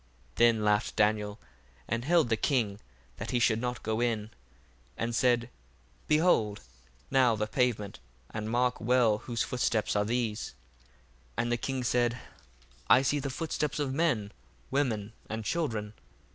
1:19 Then laughed Daniel, and held the king that he should not go in, and said, Behold now the pavement, and mark well whose footsteps are these. 1:20 And the king said, I see the footsteps of men, women, and children.